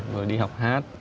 rồi đi học hát